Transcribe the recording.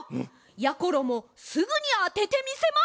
やころもすぐにあててみせます！